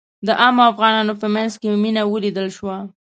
د عامو افغانانو په منځ کې مينه ولیدل شوه.